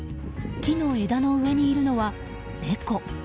木の枝の上にいるのは猫。